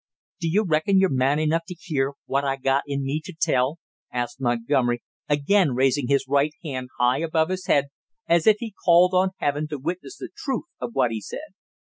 "Do you reckon you're man enough to hear what I got in me to tell?" asked Montgomery, again raising his right hand high above his head as if he called on Heaven to witness the truth of what he said.